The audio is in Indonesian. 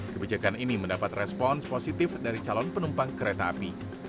kebijakan ini mendapat respons positif dari calon penumpang kereta api